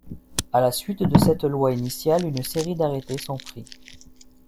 À la suite de cette loi initiale, une série d'arrêtés sont pris.